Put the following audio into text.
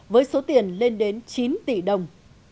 với số tiền lên đến chín tỷ đồng